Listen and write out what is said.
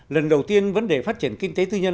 lần đầu tiên vấn đề phát triển kinh tế tư nhân